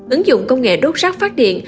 ứng dụng công nghệ đốt rác phát điện